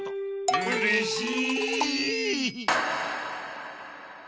うれしい！